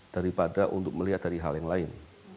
daripada untuk melihat dari hal yang lain